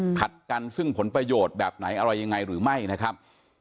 ขัดกันซึ่งผลประโยชน์แบบไหนอะไรยังไงหรือไม่นะครับ